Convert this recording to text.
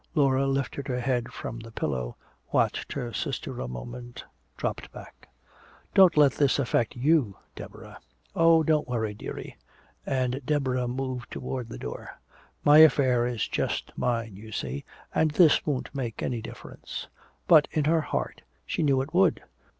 Laura lifted her head from the pillow, watched her sister a moment, dropped back. "Don't let this affect you, Deborah." "Oh, don't worry, dearie." And Deborah moved toward the door. "My affair is just mine, you see, and this won't make any difference." But in her heart she knew it would.